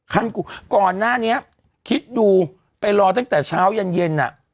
กูก่อนหน้านี้คิดดูไปรอตั้งแต่เช้ายันเย็นอ่ะ